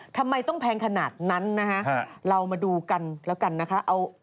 ทำไมต้องแพงขนาดนั้นนะฮะเรามาดูกันแล้วกันนะคะ